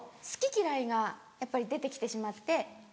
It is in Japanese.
好き嫌いがやっぱり出て来てしまって。